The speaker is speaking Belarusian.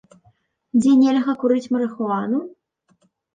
Дзе нельга курыць марыхуану?